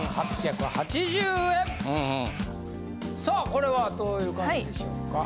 さあこれはどういう感じでしょうか？